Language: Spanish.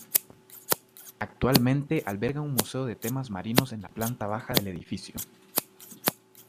Actualmente alberga un museo de temas marinos en la planta baja del edificio.